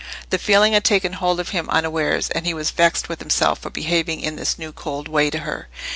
The feeling had taken hold of him unawares, and he was vexed with himself for behaving in this new cold way to her.